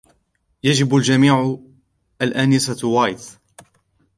يجب الجميعُ الآنسة وايت.